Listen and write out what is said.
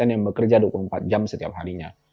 yang bekerja dua puluh empat jam setiap harinya